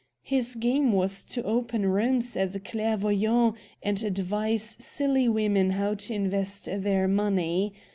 His game was to open rooms as a clairvoyant, and advise silly women how to invest their money.